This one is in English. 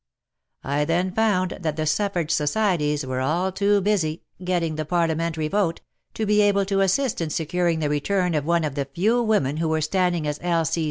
I then found that the suffrage societies were all too busy ''getting the parliamentary vote " to be able to assist in securing the return of one of the few women who were standing as L.